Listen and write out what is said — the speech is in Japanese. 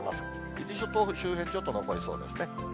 伊豆諸島周辺、ちょっと残りそうですね。